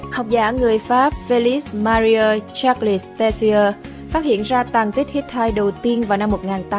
học giả người pháp félix mario charles tessier phát hiện ra tàn tích hittite đầu tiên vào năm một nghìn tám trăm ba mươi bốn